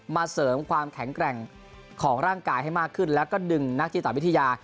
เสริมความแข็งแกร่งของร่างกายให้มากขึ้นแล้วก็ดึงนักจิตวิทยา